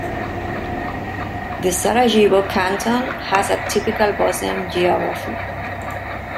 The Sarajevo Canton has a typical Bosnian geography.